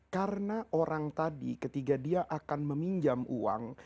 karena orang tadi ketika dia akan meminjam uang